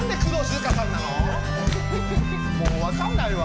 もう分かんないわ！